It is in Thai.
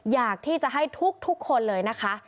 อยากที่จะให้ทุกคนเลยนะคะ